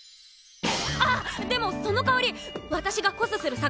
あっでもその代わり私がコスする作品